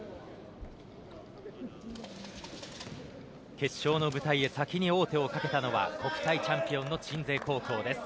決勝の舞台へ先に王手をかけたのは国体チャンピオンの鎮西高校です。